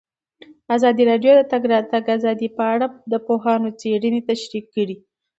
ازادي راډیو د د تګ راتګ ازادي په اړه د پوهانو څېړنې تشریح کړې.